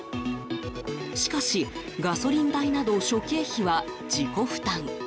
しかし、ガソリン代など諸経費は自己負担。